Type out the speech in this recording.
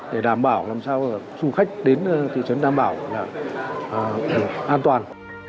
để đảm bảo làm sao du khách đến thị trấn đảm bảo an toàn